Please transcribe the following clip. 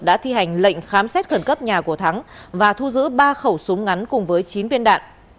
đã thi hành lệnh khám xét khẩn cấp nhà của thắng và thu giữ ba khẩu súng ngắn cùng với chín viên đạn